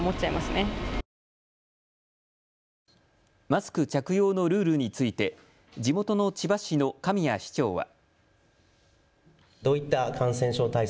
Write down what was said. マスク着用のルールについて地元の千葉市の神谷市長は。